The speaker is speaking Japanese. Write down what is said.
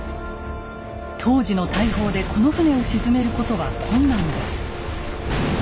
当時の大砲でこの船を沈めることは困難です。